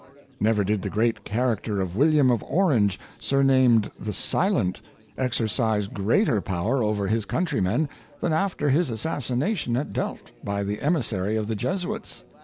Never did the great character of William of Orange, surnamed the Silent, exercise greater power over his countrymen than after his assassination at Delft by the emissary of the Jesuits.